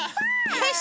よし！